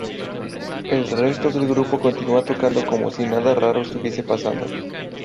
El resto de grupo continúa tocando como si nada raro estuviese pasando.